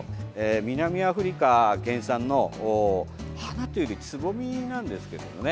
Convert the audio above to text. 南アフリカ原産の、花というよりつぼみなんですけどね。